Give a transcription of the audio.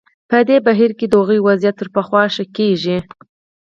په دې بهیر کې د هغوی وضعیت تر پخوا ښه کېږي.